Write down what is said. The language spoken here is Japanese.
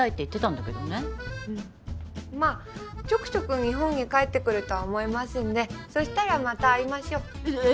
まあちょくちょく日本に帰って来るとは思いますんでそしたらまた会いましょう！ええ！？